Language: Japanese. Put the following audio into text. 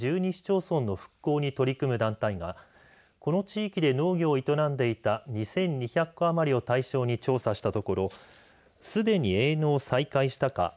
市町村の復興に取り組む団体がこの地域で農業を営んでいた２２００戸余りを対象に調査したところすでに営農を再開したか